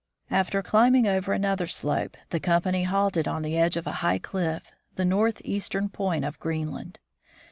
After climbing over another slope, the company halted on the edge of a high cliff, the northeastern point of Green land.